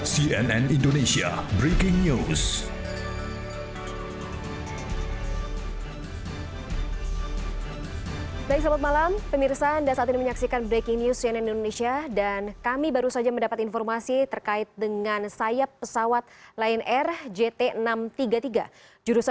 cnn indonesia breaking news